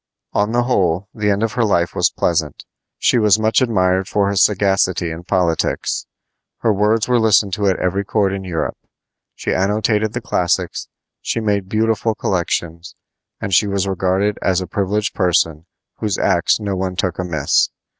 On the whole, the end of her life was pleasant. She was much admired for her sagacity in politics. Her words were listened to at every court in Europe. She annotated the classics, she made beautiful collections, and she was regarded as a privileged person whose acts no one took amiss.